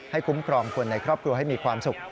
คุ้มครองคนในครอบครัวให้มีความสุข